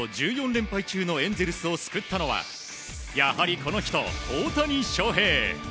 連敗中のエンゼルスを救ったのはやはりこの人、大谷翔平。